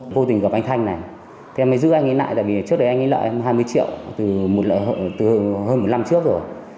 vô tình gặp anh thanh này em mới giữ anh ấy lại tại vì trước đấy anh ấy lợi em hai mươi triệu từ hơn một năm trước rồi